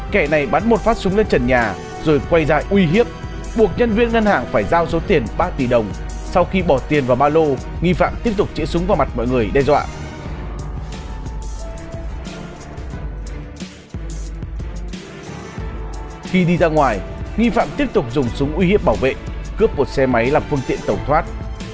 khi đi ra ngoài nghi phạm tiếp tục dùng súng uy hiếp bảo vệ cướp một xe máy làm phương tiện tổng thoát